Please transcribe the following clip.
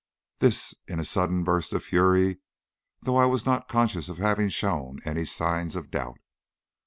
this in a sudden burst of fury, though I was not conscious of having shown any signs of doubt.